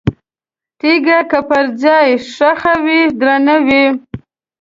تیګه که په ځای ښخه وي، درنه وي؛